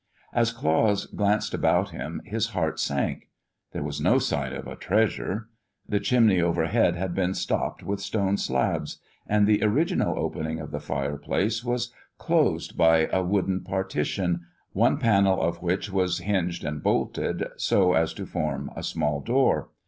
As Claus glanced about him his heart sank. There was no sign of a treasure. The chimney overhead had been stopped with stone slabs, and the original opening of the fireplace was closed by a wooden partition, one panel of which was hinged and bolted so as to form a small door.